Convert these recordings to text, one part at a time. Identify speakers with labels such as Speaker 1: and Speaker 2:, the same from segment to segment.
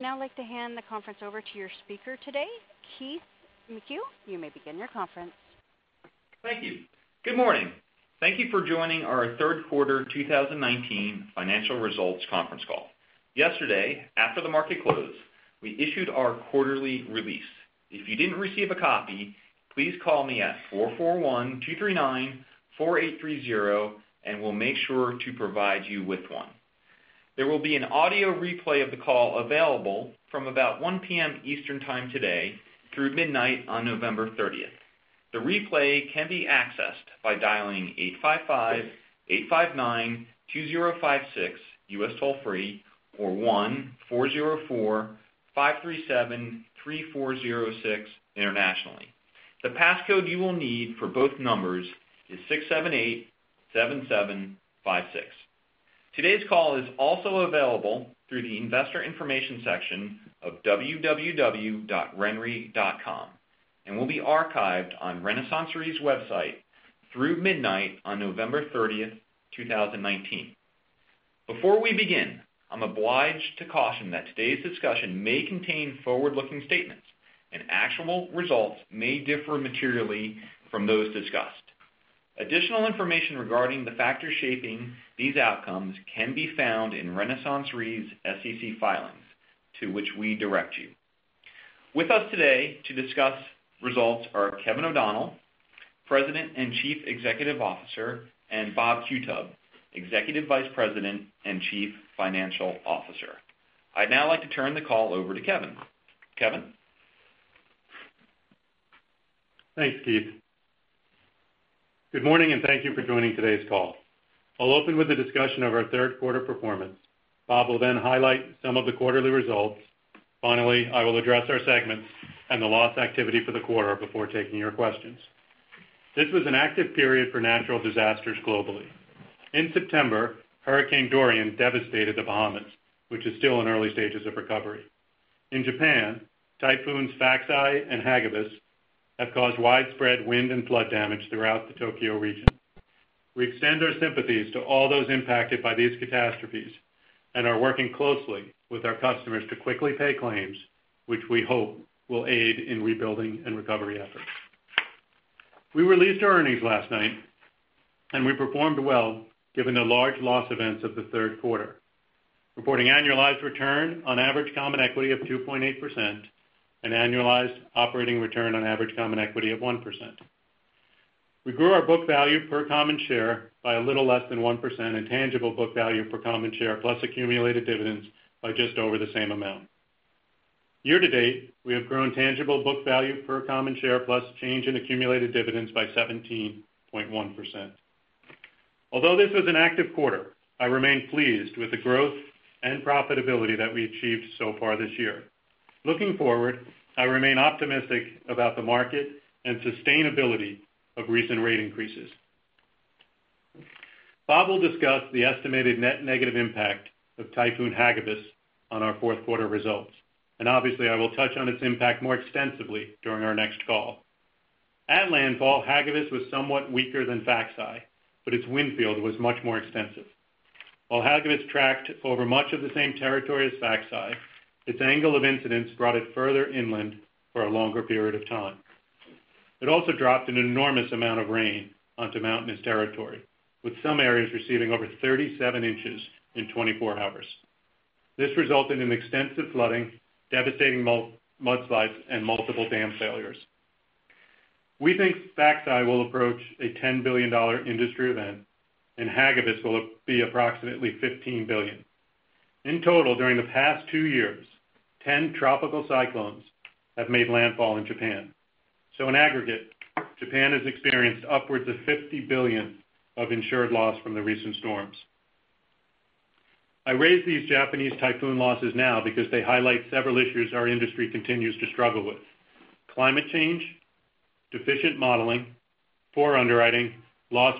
Speaker 1: Now I'd like to hand the conference over to your speaker today, Keith McCue. You may begin your conference.
Speaker 2: Thank you. Good morning. Thank you for joining our third quarter 2019 financial results conference call. Yesterday, after the market closed, we issued our quarterly release. If you didn't receive a copy, please call me at 441-239-4830 and we'll make sure to provide you with one. There will be an audio replay of the call available from about 1:00 P.M. Eastern time today through midnight on November 30th. The replay can be accessed by dialing 855-859-2056 U.S. toll-free or 1-404-537-3406 internationally. The passcode you will need for both numbers is 6787756. Today's call is also available through the investor information section of www.renre.com and will be archived on RenaissanceRe's website through midnight on November 30th, 2019. Before we begin, I'm obliged to caution that today's discussion may contain forward-looking statements and actual results may differ materially from those discussed. Additional information regarding the factors shaping these outcomes can be found in RenaissanceRe's SEC filings, to which we direct you. With us today to discuss results are Kevin O'Donnell, President and Chief Executive Officer, and Bob Qutub, Executive Vice President and Chief Financial Officer. I'd now like to turn the call over to Kevin. Kevin?
Speaker 3: Thanks, Keith. Good morning, and thank you for joining today's call. I'll open with a discussion of our third quarter performance. Bob will highlight some of the quarterly results. Finally, I will address our segments and the loss activity for the quarter before taking your questions. This was an active period for natural disasters globally. In September, Hurricane Dorian devastated the Bahamas, which is still in early stages of recovery. In Japan, Typhoons Faxai and Hagibis have caused widespread wind and flood damage throughout the Tokyo region. We extend our sympathies to all those impacted by these catastrophes and are working closely with our customers to quickly pay claims, which we hope will aid in rebuilding and recovery efforts. We released our earnings last night. We performed well given the large loss events of the third quarter, reporting annualized return on average common equity of 2.8% and annualized operating return on average common equity of 1%. We grew our book value per common share by a little less than 1% and tangible book value per common share plus accumulated dividends by just over the same amount. Year to date, we have grown tangible book value per common share plus change in accumulated dividends by 17.1%. Although this was an active quarter, I remain pleased with the growth and profitability that we achieved so far this year. Looking forward, I remain optimistic about the market and sustainability of recent rate increases. Bob will discuss the estimated net negative impact of Typhoon Hagibis on our fourth quarter results. Obviously, I will touch on its impact more extensively during our next call. At landfall, Hagibis was somewhat weaker than Faxai, but its wind field was much more extensive. While Hagibis tracked over much of the same territory as Faxai, its angle of incidence brought it further inland for a longer period of time. It also dropped an enormous amount of rain onto mountainous territory, with some areas receiving over 37 inches in 24 hours. This resulted in extensive flooding, devastating mudslides, and multiple dam failures. We think Faxai will approach a $10 billion industry event, and Hagibis will be approximately $15 billion. In total, during the past two years, 10 tropical cyclones have made landfall in Japan. In aggregate, Japan has experienced upwards of $50 billion of insured loss from the recent storms. I raise these Japanese typhoon losses now because they highlight several issues our industry continues to struggle with. Climate change, deficient modeling, poor underwriting, loss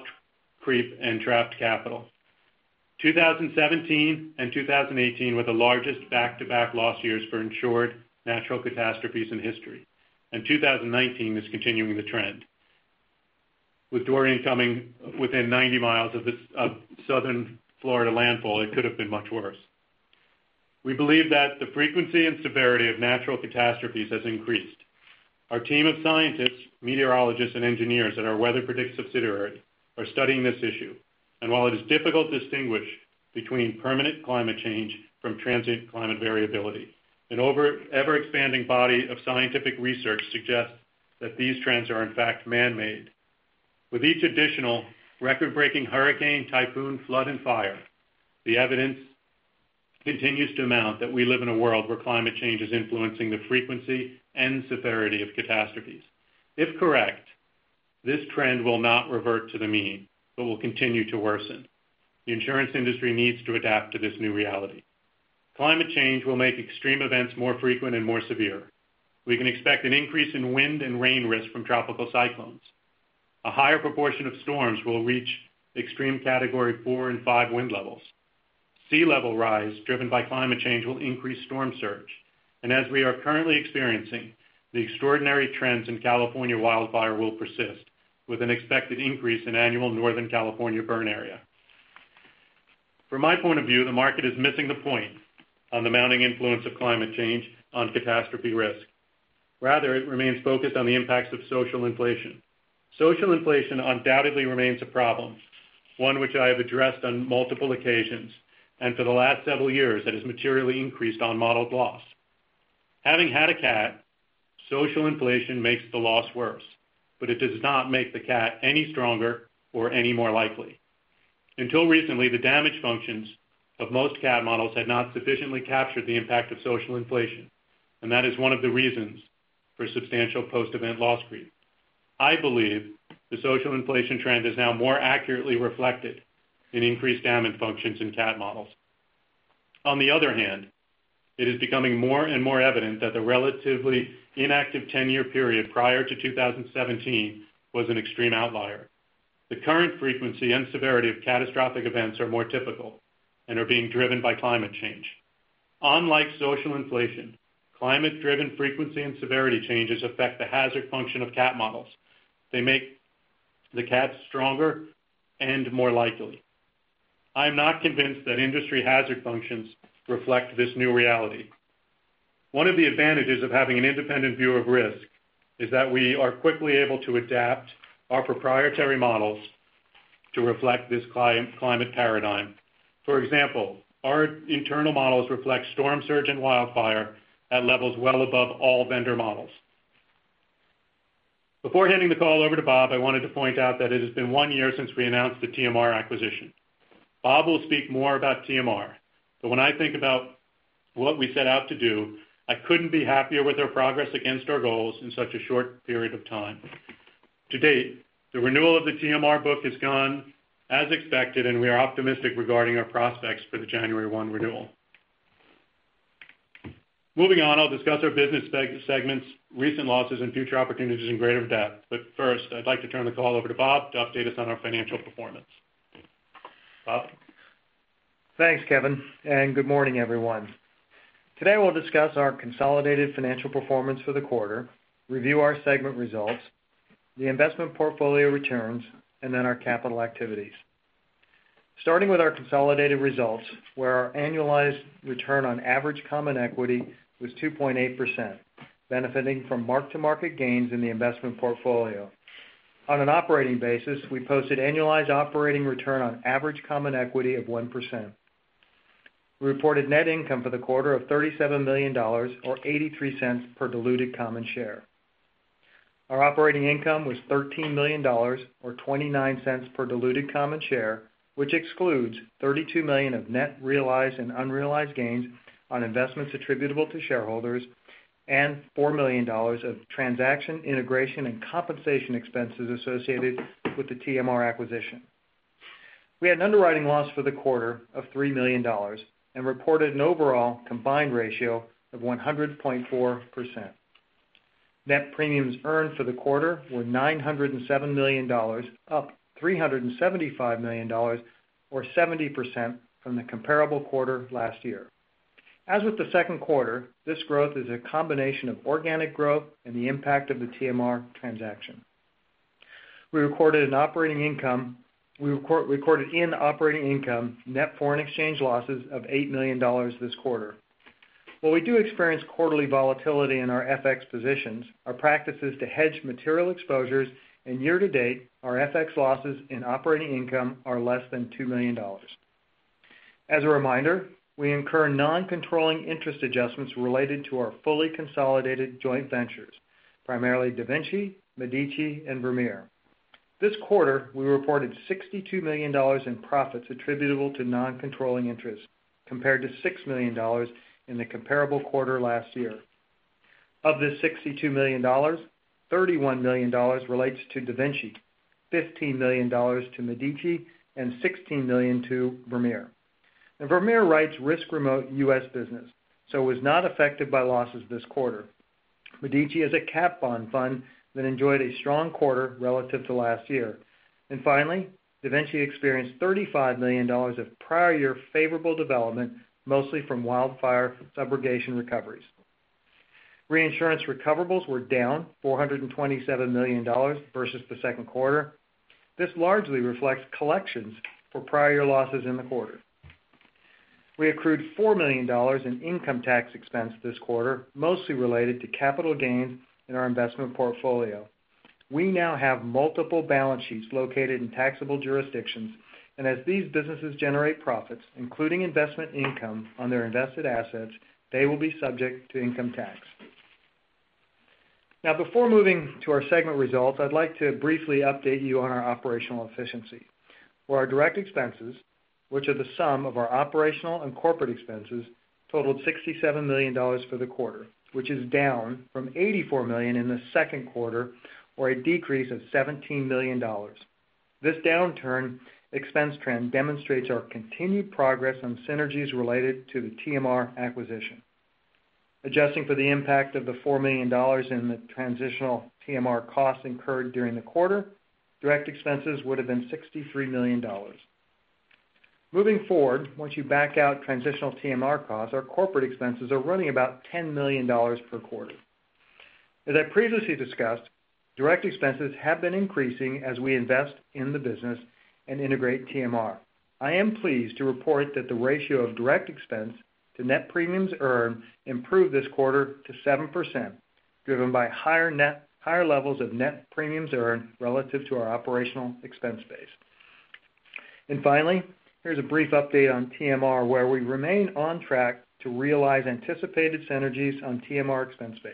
Speaker 3: creep, and trapped capital. 2017 and 2018 were the largest back-to-back loss years for insured natural catastrophes in history. 2019 is continuing the trend. With Dorian coming within 90 miles of southern Florida landfall, it could have been much worse. We believe that the frequency and severity of natural catastrophes has increased. Our team of scientists, meteorologists, and engineers at our WeatherPredict subsidiary are studying this issue. While it is difficult to distinguish between permanent climate change from transient climate variability, an ever-expanding body of scientific research suggests that these trends are in fact man-made. With each additional record-breaking hurricane, typhoon, flood, and fire, the evidence continues to mount that we live in a world where climate change is influencing the frequency and severity of catastrophes. If correct, this trend will not revert to the mean but will continue to worsen. The insurance industry needs to adapt to this new reality. Climate change will make extreme events more frequent and more severe. We can expect an increase in wind and rain risk from tropical cyclones. A higher proportion of storms will reach extreme category 4 and 5 wind levels. Sea level rise driven by climate change will increase storm surge. As we are currently experiencing, the extraordinary trends in California wildfire will persist with an expected increase in annual Northern California burn area. From my point of view, the market is missing the point on the mounting influence of climate change on catastrophe risk. Rather, it remains focused on the impacts of social inflation. Social inflation undoubtedly remains a problem, one which I have addressed on multiple occasions, for the last several years that has materially increased unmodeled loss. Having had a cat, social inflation makes the loss worse, it does not make the cat any stronger or any more likely. Until recently, the damage functions of most cat models had not sufficiently captured the impact of social inflation, that is one of the reasons for substantial post-event loss creep. I believe the social inflation trend is now more accurately reflected in increased damage functions in cat models. On the other hand, it is becoming more and more evident that the relatively inactive 10-year period prior to 2017 was an extreme outlier. The current frequency and severity of catastrophic events are more typical and are being driven by climate change. Unlike social inflation, climate-driven frequency and severity changes affect the hazard function of cat models. They make the cats stronger and more likely. I am not convinced that industry hazard functions reflect this new reality. One of the advantages of having an independent view of risk is that we are quickly able to adapt our proprietary models to reflect this climate paradigm. For example, our internal models reflect storm surge and wildfire at levels well above all vendor models. Before handing the call over to Bob, I wanted to point out that it has been one year since we announced the TMR acquisition. Bob will speak more about TMR, when I think about what we set out to do, I couldn't be happier with our progress against our goals in such a short period of time. To date, the renewal of the TMR book has gone as expected, we are optimistic regarding our prospects for the January 1 renewal. Moving on, I'll discuss our business segments' recent losses and future opportunities in greater depth. First, I'd like to turn the call over to Bob to update us on our financial performance. Bob?
Speaker 4: Thanks, Kevin, good morning, everyone. Today, we'll discuss our consolidated financial performance for the quarter, review our segment results, the investment portfolio returns, our capital activities. Starting with our consolidated results, where our annualized return on average common equity was 2.8%, benefiting from mark-to-market gains in the investment portfolio. On an operating basis, we posted annualized operating return on average common equity of 1%. We reported net income for the quarter of $37 million or $0.83 per diluted common share. Our operating income was $13 million or $0.29 per diluted common share, which excludes $32 million of net realized and unrealized gains on investments attributable to shareholders and $4 million of transaction integration and compensation expenses associated with the TMR acquisition. We had an underwriting loss for the quarter of $3 million reported an overall combined ratio of 100.4%. Net premiums earned for the quarter were $907 million, up $375 million or 70% from the comparable quarter last year. As with the second quarter, this growth is a combination of organic growth and the impact of the TMR transaction. We recorded in operating income net foreign exchange losses of $8 million this quarter. While we do experience quarterly volatility in our FX positions, our practice is to hedge material exposures, and year-to-date, our FX losses in operating income are less than $2 million. As a reminder, we incur non-controlling interest adjustments related to our fully consolidated joint ventures, primarily DaVinci, Medici, and Vermeer. This quarter, we reported $62 million in profits attributable to non-controlling interests, compared to $6 million in the comparable quarter last year. Of this $62 million, $31 million relates to DaVinci, $15 million to Medici, and $16 million to Vermeer. Vermeer writes risk remote U.S. business, so was not affected by losses this quarter. Medici is a catastrophe bond fund that enjoyed a strong quarter relative to last year. Finally, DaVinci experienced $35 million of prior year favorable development, mostly from wildfire subrogation recoveries. Reinsurance recoverables were down $427 million versus the second quarter. This largely reflects collections for prior losses in the quarter. We accrued $4 million in income tax expense this quarter, mostly related to capital gains in our investment portfolio. We now have multiple balance sheets located in taxable jurisdictions, and as these businesses generate profits, including investment income on their invested assets, they will be subject to income tax. Before moving to our segment results, I'd like to briefly update you on our operational efficiency. For our direct expenses, which are the sum of our operational and corporate expenses, totaled $67 million for the quarter, which is down from $84 million in the second quarter or a decrease of $17 million. This downturn expense trend demonstrates our continued progress on synergies related to the TMR acquisition. Adjusting for the impact of the $4 million in the transitional TMR costs incurred during the quarter, direct expenses would have been $63 million. Once you back out transitional TMR costs, our corporate expenses are running about $10 million per quarter. As I previously discussed, direct expenses have been increasing as we invest in the business and integrate TMR. I am pleased to report that the ratio of direct expense to net premiums earned improved this quarter to 7%, driven by higher levels of net premiums earned relative to our operational expense base. Finally, here's a brief update on TMR, where we remain on track to realize anticipated synergies on TMR expense base.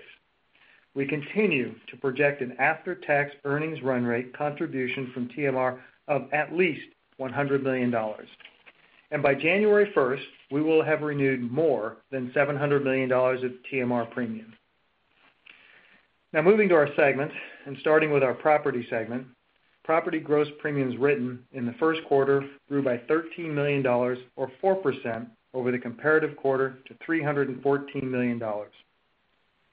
Speaker 4: We continue to project an after-tax earnings run rate contribution from TMR of at least $100 million. By January 1st, we will have renewed more than $700 million of TMR premium. Moving to our segments, starting with our property segment, property gross premiums written in the first quarter grew by $13 million or 4% over the comparative quarter to $314 million.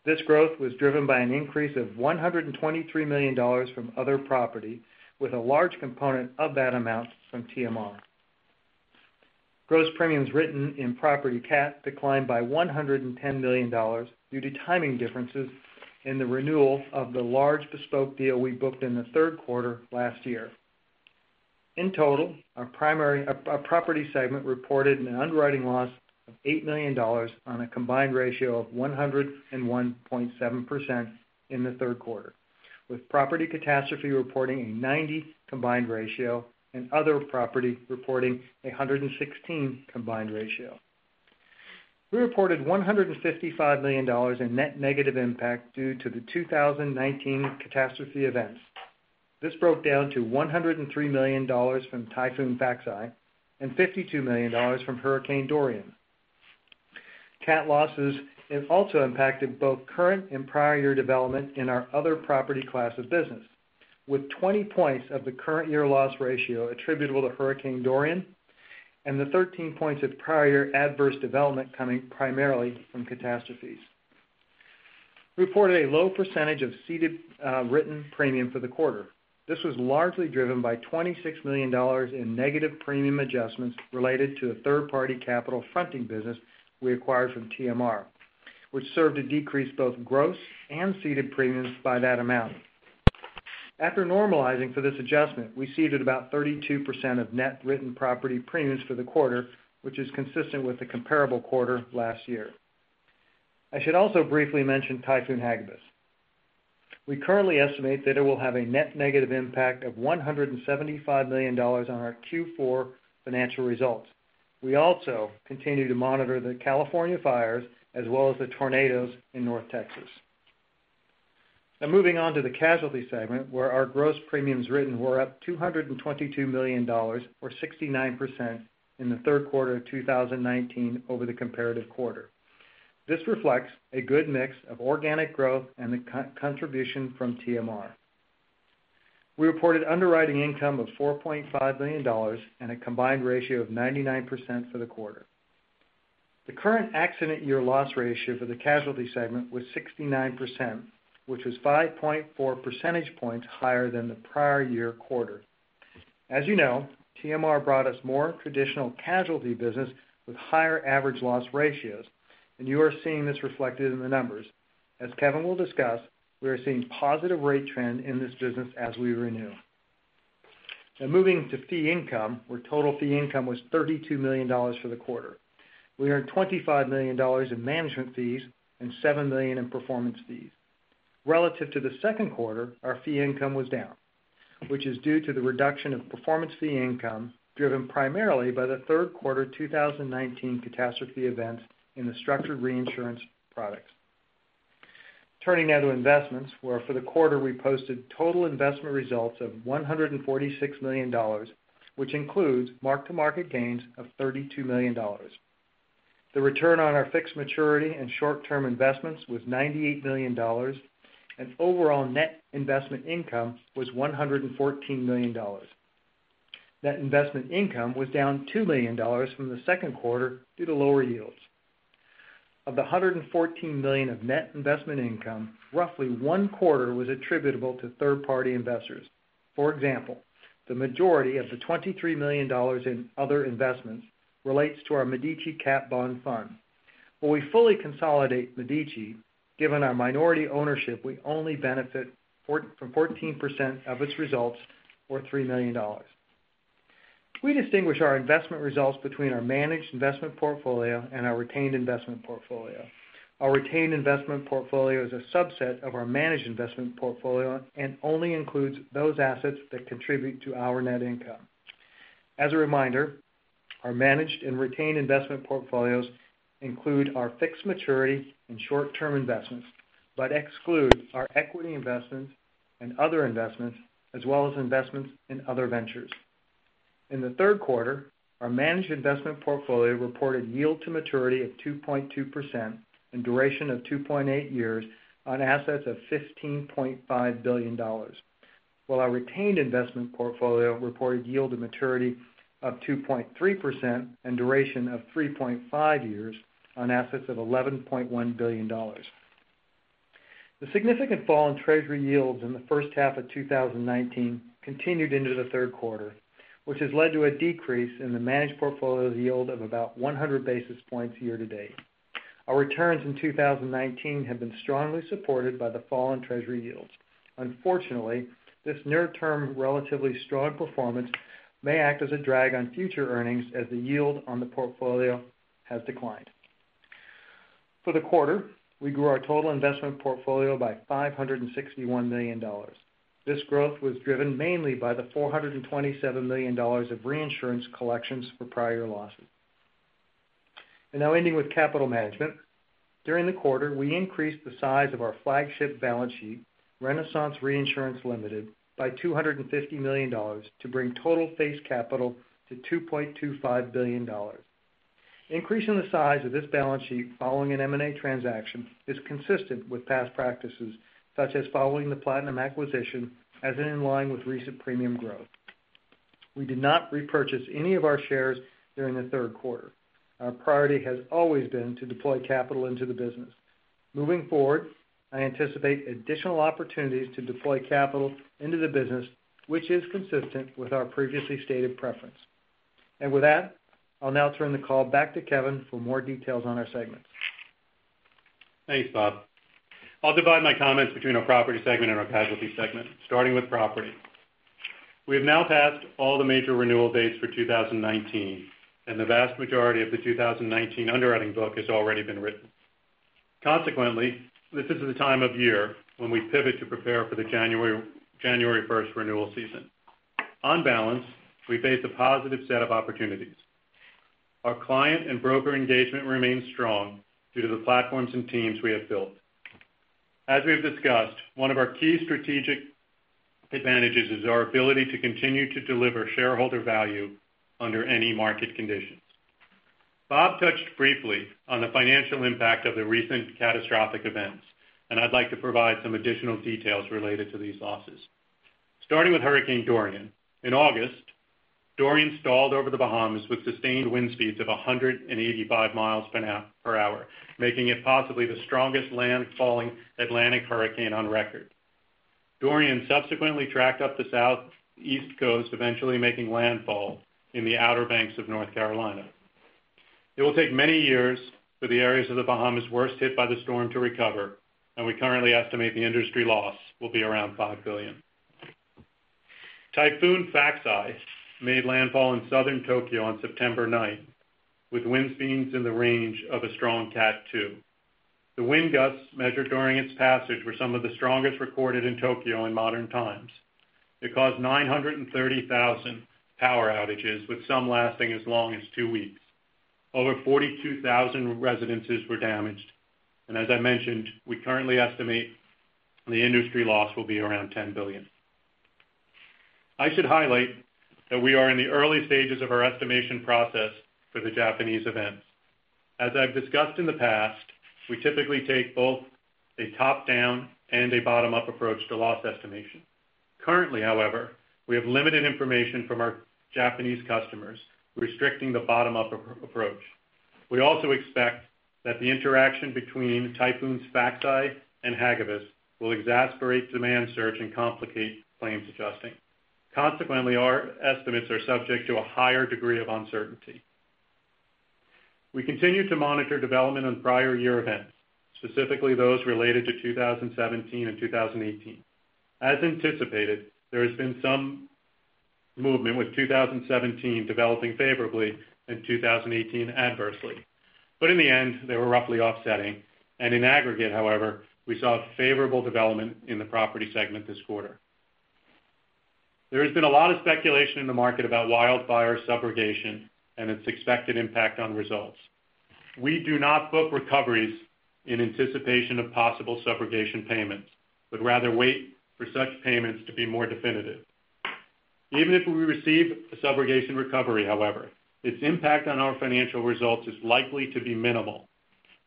Speaker 4: This growth was driven by an increase of $123 million from other property, with a large component of that amount from TMR. Gross premiums written in property catastrophe declined by $110 million due to timing differences in the renewal of the large bespoke deal we booked in the third quarter last year. In total, our property segment reported an underwriting loss of $8 million on a combined ratio of 101.7% in the third quarter, with property catastrophe reporting a 90 combined ratio and other property reporting 116 combined ratio. We reported $155 million in net negative impact due to the 2019 catastrophe events. This broke down to $103 million from Typhoon Faxai and $52 million from Hurricane Dorian. CAT losses have also impacted both current and prior year development in our other property class of business, with 20 points of the current year loss ratio attributable to Hurricane Dorian and 13 points of prior year adverse development coming primarily from catastrophes. We reported a low percentage of ceded written premium for the quarter. This was largely driven by $26 million in negative premium adjustments related to a third-party capital fronting business we acquired from TMR, which served to decrease both gross and ceded premiums by that amount. After normalizing for this adjustment, we ceded about 32% of net written property premiums for the quarter, which is consistent with the comparable quarter last year. I should also briefly mention Typhoon Hagibis. We currently estimate that it will have a net negative impact of $175 million on our Q4 financial results. We also continue to monitor the California fires as well as the tornadoes in North Texas. Moving on to the casualty segment, where our gross premiums written were up $222 million, or 69%, in the third quarter of 2019 over the comparative quarter. This reflects a good mix of organic growth and the contribution from TMR. We reported underwriting income of $4.5 million and a combined ratio of 99% for the quarter. The current accident year loss ratio for the casualty segment was 69%, which was 5.4 percentage points higher than the prior year quarter. As you know, TMR brought us more traditional casualty business with higher average loss ratios, and you are seeing this reflected in the numbers. As Kevin will discuss, we are seeing positive rate trend in this business as we renew. Moving to fee income, where total fee income was $32 million for the quarter. We earned $25 million in management fees and $7 million in performance fees. Relative to the second quarter, our fee income was down, which is due to the reduction of performance fee income, driven primarily by the third quarter 2019 catastrophe events in the structured reinsurance products. Turning now to investments, where for the quarter we posted total investment results of $146 million, which includes mark-to-market gains of $32 million. The return on our fixed maturity and short-term investments was $98 million, and overall net investment income was $114 million. Net investment income was down $2 million from the second quarter due to lower yields. Of the $114 million of net investment income, roughly one-quarter was attributable to third-party investors. For example, the majority of the $23 million in other investments relates to our Medici cat bond fund. When we fully consolidate Medici, given our minority ownership, we only benefit from 14% of its results or $3 million. We distinguish our investment results between our managed investment portfolio and our retained investment portfolio. Our retained investment portfolio is a subset of our managed investment portfolio and only includes those assets that contribute to our net income. As a reminder, our managed and retained investment portfolios include our fixed maturity and short-term investments, but exclude our equity investments and other investments, as well as investments in other ventures. In the third quarter, our managed investment portfolio reported yield to maturity of 2.2% and duration of 2.8 years on assets of $15.5 billion, while our retained investment portfolio reported yield to maturity of 2.3% and duration of 3.5 years on assets of $11.1 billion. The significant fall in Treasury yields in the first half of 2019 continued into the third quarter. Which has led to a decrease in the managed portfolio's yield of about 100 basis points year-to-date. Our returns in 2019 have been strongly supported by the fall in Treasury yields. Unfortunately, this near-term relatively strong performance may act as a drag on future earnings as the yield on the portfolio has declined. For the quarter, we grew our total investment portfolio by $561 million. This growth was driven mainly by the $427 million of reinsurance collections for prior losses. Now ending with capital management. During the quarter, we increased the size of our flagship balance sheet, Renaissance Reinsurance Ltd., by $250 million to bring total face capital to $2.25 billion. Increasing the size of this balance sheet following an M&A transaction is consistent with past practices, such as following the Platinum acquisition, as in line with recent premium growth. We did not repurchase any of our shares during the third quarter. Our priority has always been to deploy capital into the business. Moving forward, I anticipate additional opportunities to deploy capital into the business, which is consistent with our previously stated preference. With that, I'll now turn the call back to Kevin for more details on our segments.
Speaker 3: Thanks, Bob. I'll divide my comments between our property segment and our casualty segment. Starting with property. We have now passed all the major renewal dates for 2019, and the vast majority of the 2019 underwriting book has already been written. Consequently, this is the time of year when we pivot to prepare for the January 1st renewal season. On balance, we face a positive set of opportunities. Our client and broker engagement remains strong due to the platforms and teams we have built. As we've discussed, one of our key strategic advantages is our ability to continue to deliver shareholder value under any market conditions. Bob touched briefly on the financial impact of the recent catastrophic events. I'd like to provide some additional details related to these losses. Starting with Hurricane Dorian. In August, Dorian stalled over The Bahamas with sustained wind speeds of 185 miles per hour, making it possibly the strongest landfalling Atlantic hurricane on record. Dorian subsequently tracked up the southeast coast, eventually making landfall in the Outer Banks of North Carolina. It will take many years for the areas of The Bahamas worst hit by the storm to recover. We currently estimate the industry loss will be around $5 billion. Typhoon Faxai made landfall in southern Tokyo on September 9th, with wind speeds in the range of a strong Cat 2. The wind gusts measured during its passage were some of the strongest recorded in Tokyo in modern times. It caused 930,000 power outages, with some lasting as long as two weeks. Over 42,000 residences were damaged. As I mentioned, we currently estimate the industry loss will be around $10 billion. I should highlight that we are in the early stages of our estimation process for the Japanese events. As I've discussed in the past, we typically take both a top-down and a bottom-up approach to loss estimation. Currently, however, we have limited information from our Japanese customers, restricting the bottom-up approach. We also expect that the interaction between Typhoons Faxai and Hagibis will exacerbate demand surge and complicate claims adjusting. Consequently, our estimates are subject to a higher degree of uncertainty. We continue to monitor development on prior year events, specifically those related to 2017 and 2018. As anticipated, there has been some movement with 2017 developing favorably and 2018 adversely. In the end, they were roughly offsetting. In aggregate, however, we saw favorable development in the property segment this quarter. There has been a lot of speculation in the market about wildfire subrogation and its expected impact on results. We do not book recoveries in anticipation of possible subrogation payments, but rather wait for such payments to be more definitive. Even if we receive a subrogation recovery, however, its impact on our financial results is likely to be minimal.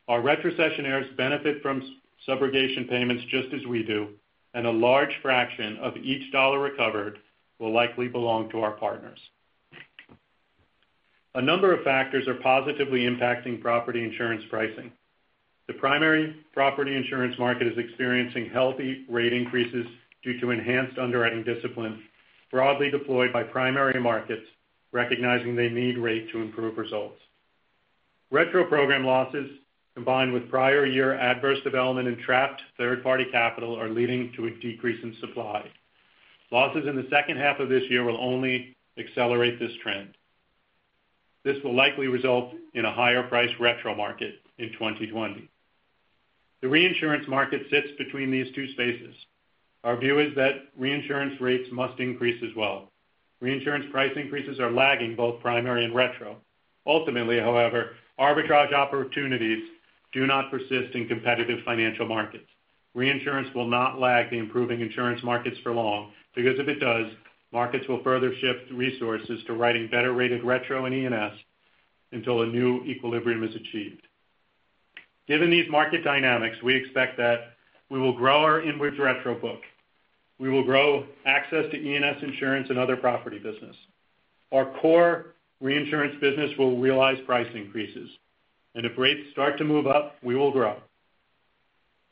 Speaker 3: Our retrocessionaires benefit from subrogation payments just as we do, and a large fraction of each $1 recovered will likely belong to our partners. A number of factors are positively impacting property insurance pricing. The primary property insurance market is experiencing healthy rate increases due to enhanced underwriting discipline broadly deployed by primary markets recognizing they need rate to improve results. Retro program losses, combined with prior year adverse development and trapped third-party capital, are leading to a decrease in supply. Losses in the second half of this year will only accelerate this trend. This will likely result in a higher-priced retro market in 2020. The reinsurance market sits between these two spaces. Our view is that reinsurance rates must increase as well. Reinsurance price increases are lagging both primary and retro. Ultimately, however, arbitrage opportunities do not persist in competitive financial markets. Reinsurance will not lag the improving insurance markets for long, because if it does, markets will further shift resources to writing better-rated retro and E&S until a new equilibrium is achieved. Given these market dynamics, we expect that we will grow our inwards retro book. We will grow access to E&S insurance and other property business. Our core reinsurance business will realize price increases, and if rates start to move up, we will grow.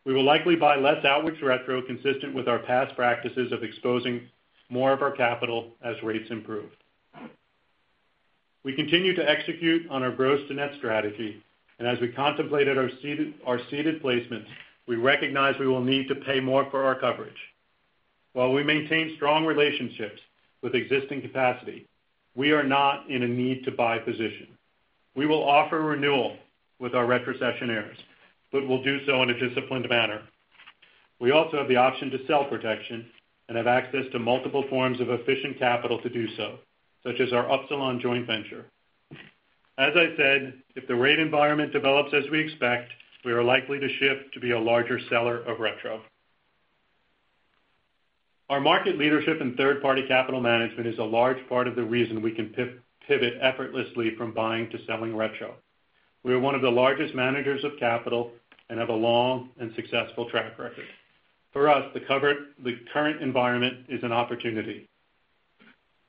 Speaker 3: We will likely buy less outwards retro consistent with our past practices of exposing more of our capital as rates improve. We continue to execute on our gross to net strategy. As we contemplated our ceded placements, we recognize we will need to pay more for our coverage. While we maintain strong relationships with existing capacity, we are not in a need-to-buy position. We will offer renewal with our retrocessionaires. We'll do so in a disciplined manner. We also have the option to sell protection and have access to multiple forms of efficient capital to do so, such as our Upsilon joint venture. As I said, if the rate environment develops as we expect, we are likely to shift to be a larger seller of retro. Our market leadership in third-party capital management is a large part of the reason we can pivot effortlessly from buying to selling retro. We are one of the largest managers of capital and have a long and successful track record. For us, the current environment is an opportunity.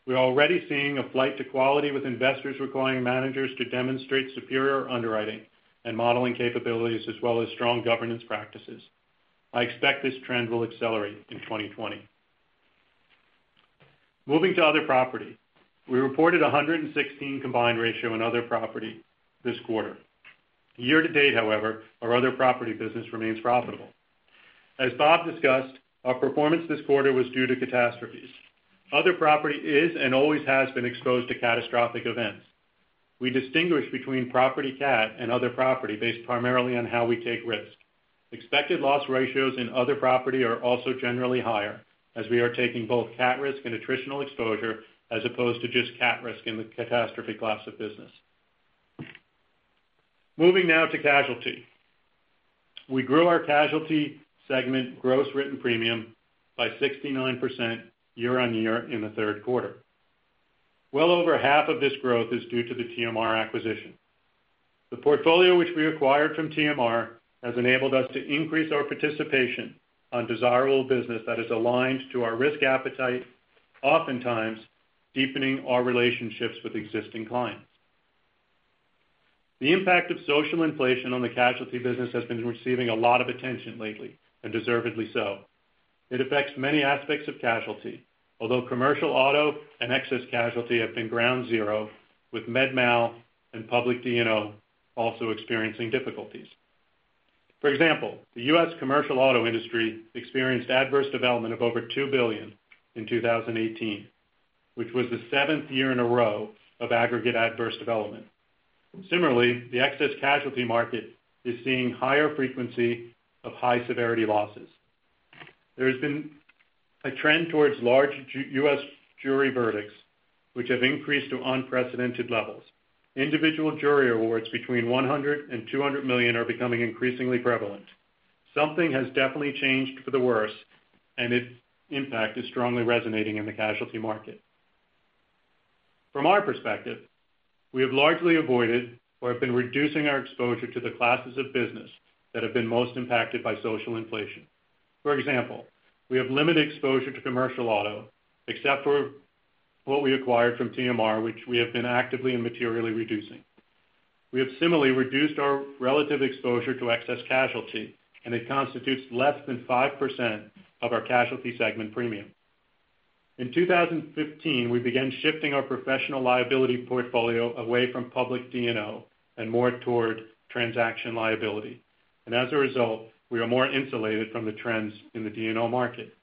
Speaker 3: We are already seeing a flight to quality with investors requiring managers to demonstrate superior underwriting and modeling capabilities as well as strong governance practices. I expect this trend will accelerate in 2020. Moving to other property. We reported 116 combined ratio in other property this quarter. Year to date, however, our other property business remains profitable. As Bob discussed, our performance this quarter was due to catastrophes. Other property is and always has been exposed to catastrophic events. We distinguish between property cat and other property based primarily on how we take risk. Expected loss ratios in other property are also generally higher, as we are taking both cat risk and attritional exposure as opposed to just cat risk in the catastrophe class of business. Moving now to casualty. We grew our casualty segment gross written premium by 69% year on year in the third quarter. Well over half of this growth is due to the TMR acquisition. The portfolio which we acquired from TMR has enabled us to increase our participation on desirable business that is aligned to our risk appetite, oftentimes deepening our relationships with existing clients. The impact of social inflation on the casualty business has been receiving a lot of attention lately, and deservedly so. It affects many aspects of casualty, although commercial auto and excess casualty have been ground zero, with med mal and public D&O also experiencing difficulties. For example, the U.S. commercial auto industry experienced adverse development of over $2 billion in 2018, which was the seventh year in a row of aggregate adverse development. Similarly, the excess casualty market is seeing higher frequency of high-severity losses. There has been a trend towards large U.S. jury verdicts, which have increased to unprecedented levels. Individual jury awards between $100 million and $200 million are becoming increasingly prevalent. Something has definitely changed for the worse, and its impact is strongly resonating in the casualty market. From our perspective, we have largely avoided or have been reducing our exposure to the classes of business that have been most impacted by social inflation. For example, we have limited exposure to commercial auto, except for what we acquired from TMR, which we have been actively and materially reducing. We have similarly reduced our relative exposure to excess casualty, and it constitutes less than 5% of our casualty segment premium. In 2015, we began shifting our professional liability portfolio away from public D&O and more toward transaction liability. As a result, we are more insulated from the trends in the D&O market.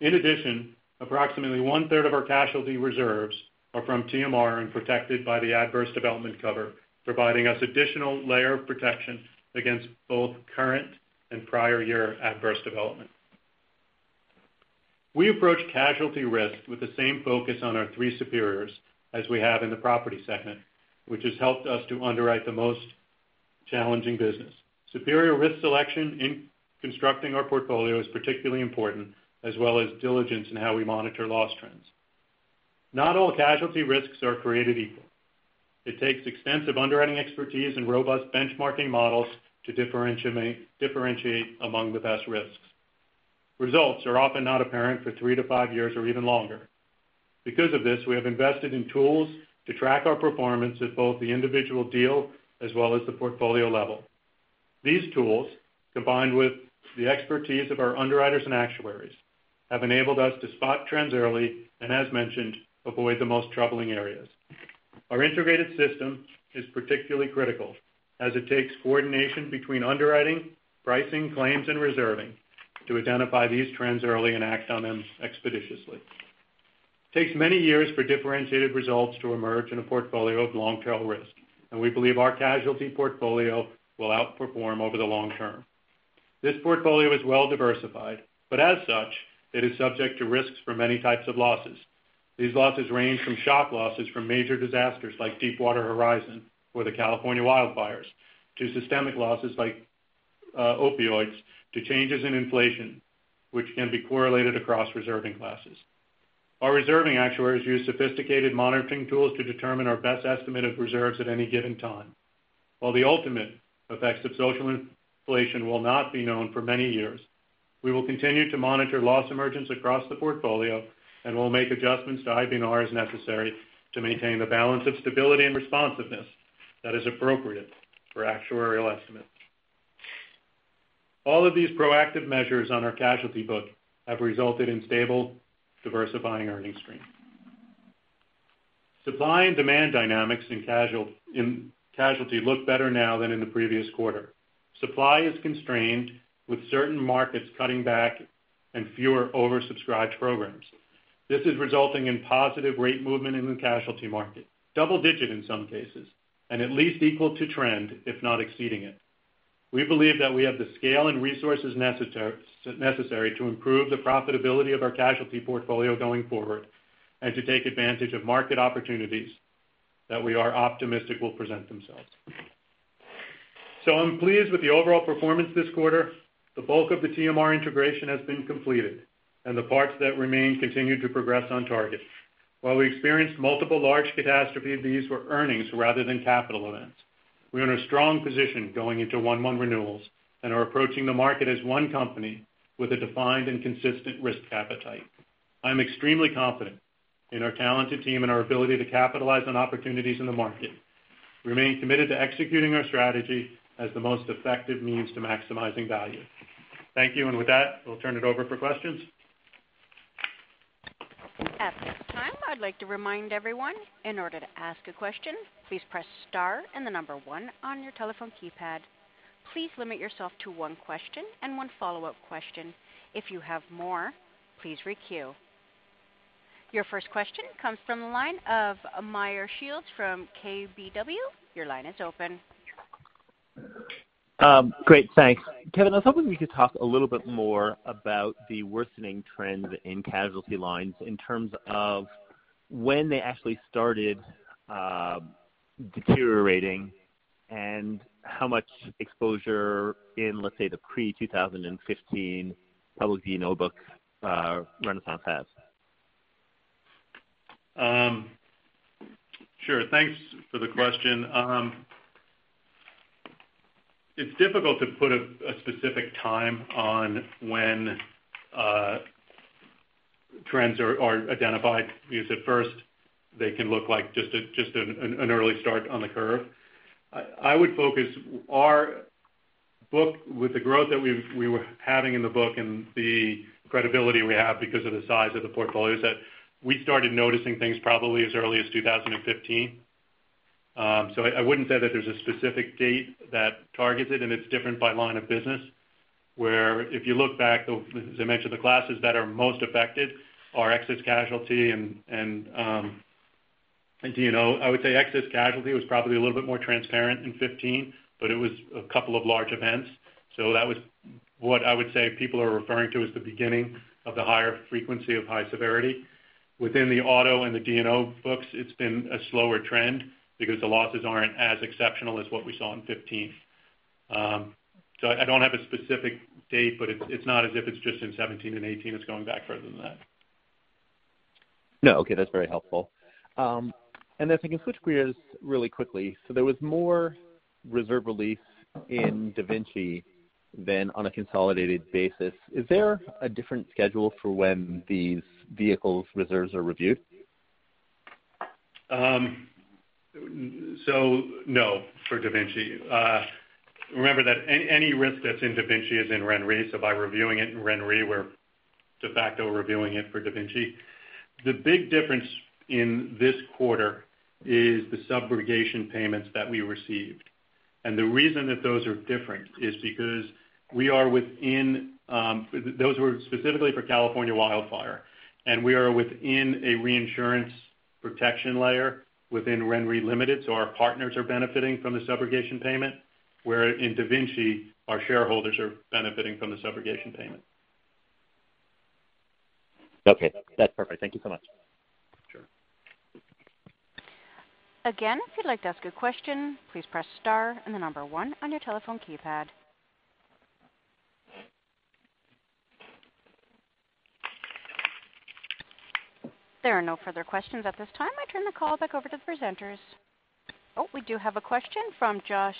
Speaker 3: In addition, approximately one-third of our casualty reserves are from TMR and protected by the adverse development cover, providing us additional layer of protection against both current and prior year adverse development. We approach casualty risk with the same focus on our three superiors as we have in the property segment, which has helped us to underwrite the most challenging business. Superior risk selection in constructing our portfolio is particularly important, as well as diligence in how we monitor loss trends. Not all casualty risks are created equal. It takes extensive underwriting expertise and robust benchmarking models to differentiate among the best risks. Results are often not apparent for three to five years or even longer. Because of this, we have invested in tools to track our performance at both the individual deal as well as the portfolio level. These tools, combined with the expertise of our underwriters and actuaries, have enabled us to spot trends early and, as mentioned, avoid the most troubling areas. Our integrated system is particularly critical as it takes coordination between underwriting, pricing, claims, and reserving to identify these trends early and act on them expeditiously. It takes many years for differentiated results to emerge in a portfolio of long-tail risk, and we believe our casualty portfolio will outperform over the long term. This portfolio is well diversified, but as such, it is subject to risks for many types of losses. These losses range from shock losses from major disasters like Deepwater Horizon or the California wildfires, to systemic losses like opioids, to changes in inflation, which can be correlated across reserving classes. Our reserving actuaries use sophisticated monitoring tools to determine our best estimate of reserves at any given time. While the ultimate effects of social inflation will not be known for many years. We will continue to monitor loss emergence across the portfolio, and we'll make adjustments to IBNR as necessary to maintain the balance of stability and responsiveness that is appropriate for actuarial estimates. All of these proactive measures on our casualty book have resulted in stable, diversifying earning streams. Supply and demand dynamics in casualty look better now than in the previous quarter. Supply is constrained, with certain markets cutting back and fewer oversubscribed programs. This is resulting in positive rate movement in the casualty market, double-digit in some cases, and at least equal to trend, if not exceeding it. We believe that we have the scale and resources necessary to improve the profitability of our casualty portfolio going forward and to take advantage of market opportunities that we are optimistic will present themselves. I'm pleased with the overall performance this quarter. The bulk of the TMR integration has been completed, and the parts that remain continue to progress on target. While we experienced multiple large catastrophes, these were earnings rather than capital events. We are in a strong position going into 01/01 renewals and are approaching the market as one company with a defined and consistent risk appetite. I'm extremely confident in our talented team and our ability to capitalize on opportunities in the market. We remain committed to executing our strategy as the most effective means to maximizing value. Thank you, and with that, we'll turn it over for questions.
Speaker 1: At this time, I'd like to remind everyone, in order to ask a question, please press star and the number one on your telephone keypad. Please limit yourself to one question and one follow-up question. If you have more, please re-queue. Your first question comes from the line of Meyer Shields from KBW. Your line is open.
Speaker 5: Great. Thanks. Kevin, I was hoping we could talk a little bit more about the worsening trend in casualty lines in terms of when they actually started deteriorating and how much exposure in, let's say, the pre-2015 public D&O book Renaissance has.
Speaker 3: Sure. Thanks for the question. It's difficult to put a specific time on when trends are identified because at first they can look like just an early start on the curve. I would focus our book with the growth that we were having in the book and the credibility we have because of the size of the portfolios that we started noticing things probably as early as 2015. I wouldn't say that there's a specific date that targets it. It's different by line of business, where if you look back, as I mentioned, the classes that are most affected are excess casualty and D&O. I would say excess casualty was probably a little bit more transparent in 2015, but it was a couple of large events. That was what I would say people are referring to as the beginning of the higher frequency of high severity. Within the auto and the D&O books, it's been a slower trend because the losses aren't as exceptional as what we saw in 2015. I don't have a specific date, but it's not as if it's just in 2017 and 2018. It's going back further than that.
Speaker 5: No. Okay. That's very helpful. If I can switch gears really quickly. There was more reserve release in DaVinci than on a consolidated basis. Is there a different schedule for when these vehicles reserves are reviewed?
Speaker 3: No, for DaVinci. Remember that any risk that's in DaVinci is in RenRe, so by reviewing it in RenRe, we're de facto reviewing it for DaVinci. The big difference in this quarter is the subrogation payments that we received. The reason that those are different is because those were specifically for California Wildfire, and we are within a reinsurance protection layer within RenRe Limited, so our partners are benefiting from the subrogation payment, where in DaVinci, our shareholders are benefiting from the subrogation payment.
Speaker 5: Okay. That's perfect. Thank you so much.
Speaker 3: Sure.
Speaker 1: Again, if you'd like to ask a question, please press star and the number 1 on your telephone keypad. There are no further questions at this time. I turn the call back over to the presenters. We do have a question from Joshua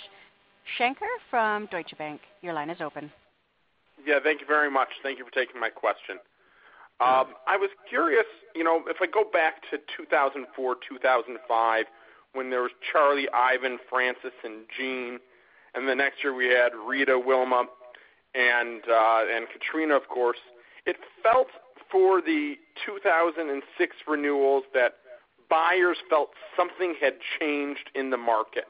Speaker 1: Shanker from Deutsche Bank. Your line is open.
Speaker 6: Thank you very much. Thank you for taking my question. I was curious, if I go back to 2004, 2005, when there was Charley, Ivan, Frances, and Jeanne, and the next year we had Rita, Wilma, and Katrina, of course. It felt for the 2006 renewals that buyers felt something had changed in the market.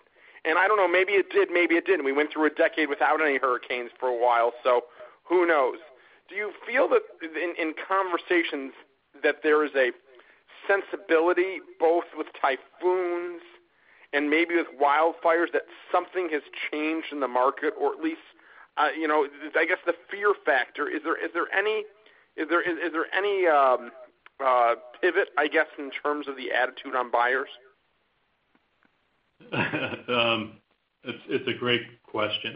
Speaker 6: I don't know, maybe it did, maybe it didn't. We went through a decade without any hurricanes for a while, so who knows? Do you feel that in conversations that there is a sensibility, both with typhoons and maybe with wildfires, that something has changed in the market, or at least, I guess the fear factor? Is there any pivot, I guess, in terms of the attitude on buyers?
Speaker 3: It's a great question.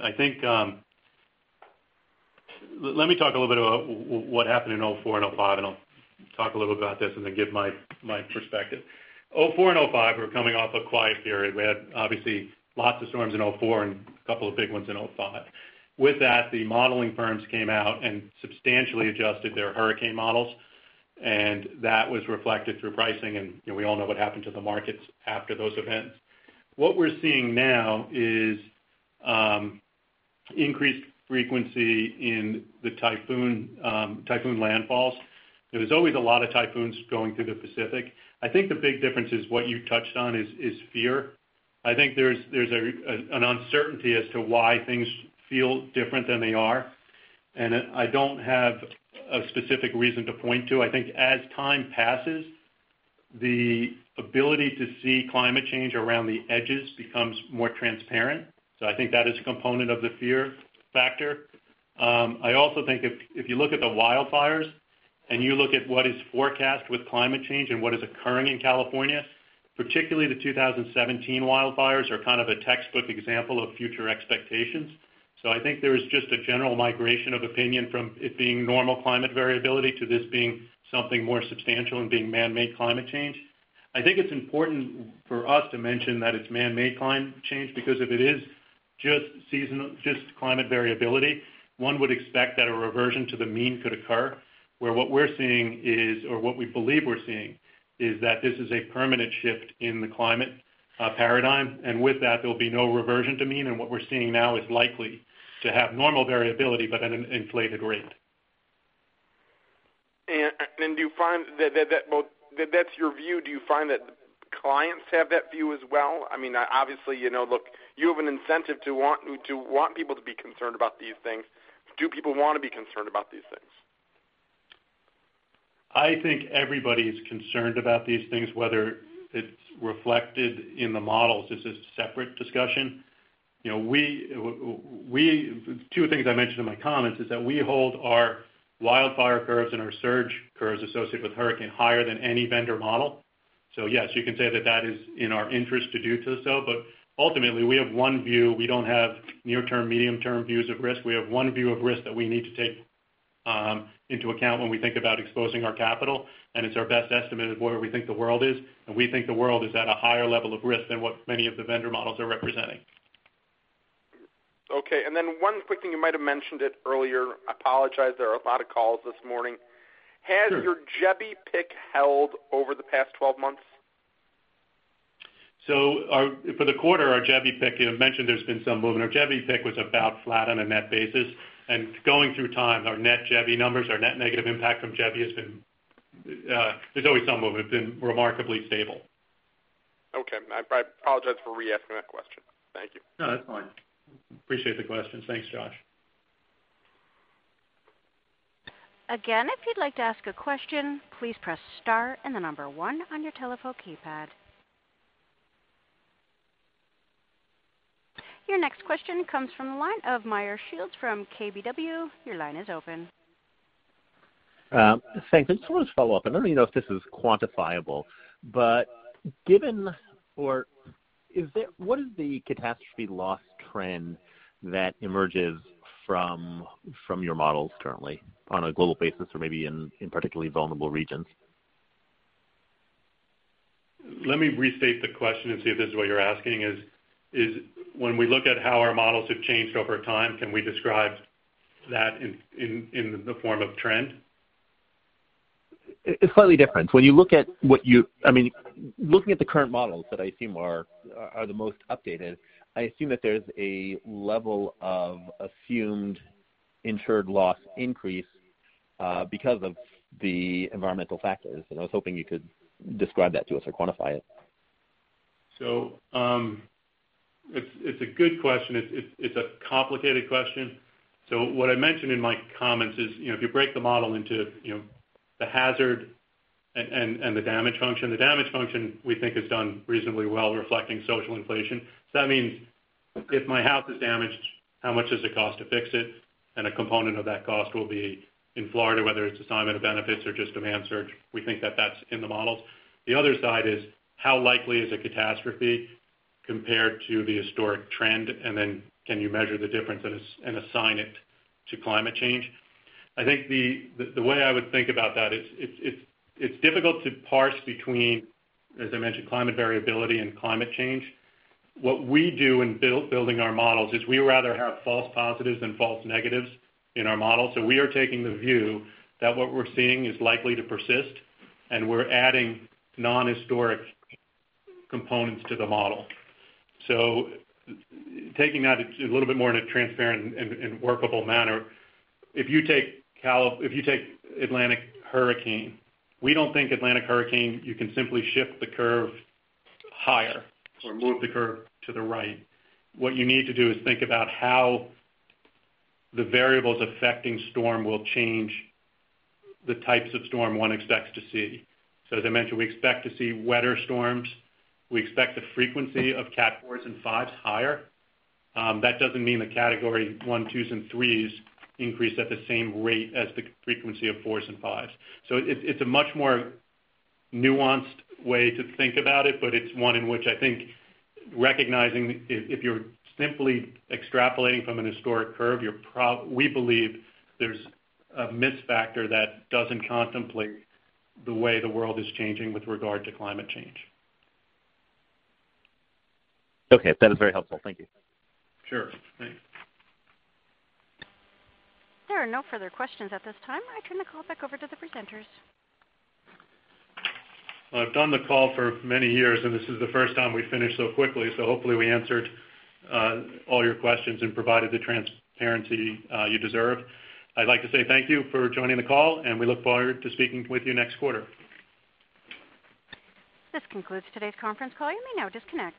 Speaker 3: Let me talk a little bit about what happened in '04 and '05. I'll talk a little about this, then give my perspective. '04 and '05 were coming off a quiet period. We had obviously lots of storms in '04 and a couple of big ones in '05. With that, the modeling firms came out and substantially adjusted their hurricane models, that was reflected through pricing. We all know what happened to the markets after those events. What we're seeing now is increased frequency in the typhoon landfalls. There's always a lot of typhoons going through the Pacific. I think the big difference is what you touched on, is fear. I think there's an uncertainty as to why things feel different than they are, I don't have a specific reason to point to. I think as time passes, the ability to see climate change around the edges becomes more transparent. I think that is a component of the fear factor. I also think if you look at the wildfires, you look at what is forecast with climate change and what is occurring in California, particularly the 2017 wildfires are kind of a textbook example of future expectations. I think there is just a general migration of opinion from it being normal climate variability to this being something more substantial and being man-made climate change. I think it's important for us to mention that it's man-made climate change because if it is just climate variability, one would expect that a reversion to the mean could occur. Where what we're seeing is or what we believe we're seeing, is that this is a permanent shift in the climate paradigm, with that, there will be no reversion to mean. What we're seeing now is likely to have normal variability, but at an inflated rate.
Speaker 6: That's your view. Do you find that clients have that view as well? I mean, obviously, look, you have an incentive to want people to be concerned about these things. Do people want to be concerned about these things?
Speaker 3: I think everybody is concerned about these things, whether it's reflected in the models is a separate discussion. Two things I mentioned in my comments is that we hold our wildfire curves and our surge curves associated with hurricane higher than any vendor model. Yes, you can say that that is in our interest to do so. Ultimately, we have one view. We don't have near-term, medium-term views of risk. We have one view of risk that we need to take into account when we think about exposing our capital, and it's our best estimate of where we think the world is, and we think the world is at a higher level of risk than what many of the vendor models are representing.
Speaker 6: Okay. One quick thing, you might have mentioned it earlier. I apologize. There are a lot of calls this morning.
Speaker 3: Sure.
Speaker 6: Has your Jebi pick held over the past 12 months?
Speaker 3: For the quarter, our Jebi pick, you mentioned there's been some movement. Our Jebi pick was about flat on a net basis. Going through time, our net Jebi numbers, our net negative impact from Jebi, there's always some movement, been remarkably stable.
Speaker 6: Okay. I apologize for re-asking that question. Thank you.
Speaker 3: No, that's fine. Appreciate the question. Thanks, Josh.
Speaker 1: Again, if you'd like to ask a question, please press star and the number one on your telephone keypad. Your next question comes from the line of Meyer Shields from KBW. Your line is open.
Speaker 5: Thanks. I just want to follow up, and I don't even know if this is quantifiable, but what is the catastrophe loss trend that emerges from your models currently on a global basis or maybe in particularly vulnerable regions?
Speaker 3: Let me restate the question and see if this is what you're asking, when we look at how our models have changed over time, can we describe that in the form of trend?
Speaker 5: It's slightly different. Looking at the current models that I assume are the most updated, I assume that there's a level of assumed insured loss increase because of the environmental factors. I was hoping you could describe that to us or quantify it.
Speaker 3: It's a good question. It's a complicated question. What I mentioned in my comments is, if you break the model into the hazard and the damage function, the damage function, we think, is done reasonably well reflecting social inflation. That means if my house is damaged, how much does it cost to fix it? A component of that cost will be in Florida, whether it's assignment of benefits or just demand surge. We think that that's in the models. The other side is how likely is a catastrophe compared to the historic trend, and then can you measure the difference and assign it to climate change? I think the way I would think about that is it's difficult to parse between, as I mentioned, climate variability and climate change. We rather have false positives than false negatives in our models. We are taking the view that what we're seeing is likely to persist, and we're adding non-historic components to the model. Taking that a little bit more in a transparent and workable manner, if you take Atlantic hurricane, we don't think Atlantic hurricane, you can simply shift the curve higher or move the curve to the right. What you need to do is think about how the variables affecting storm will change the types of storm one expects to see. As I mentioned, we expect to see wetter storms. We expect the frequency of Cat 4s and 5s higher. That doesn't mean the Category 1s, 2s, and 3s increase at the same rate as the frequency of 4s and 5s. It's a much more nuanced way to think about it, but it's one in which I think recognizing if you're simply extrapolating from an historic curve, we believe there's a miss factor that doesn't contemplate the way the world is changing with regard to climate change.
Speaker 5: Okay. That is very helpful. Thank you.
Speaker 3: Sure. Thanks.
Speaker 1: There are no further questions at this time. I turn the call back over to the presenters.
Speaker 3: I've done the call for many years, and this is the first time we finished so quickly, so hopefully we answered all your questions and provided the transparency you deserve. I'd like to say thank you for joining the call, and we look forward to speaking with you next quarter.
Speaker 1: This concludes today's conference call. You may now disconnect.